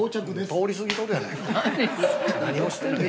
◆通り過ぎとるやないか。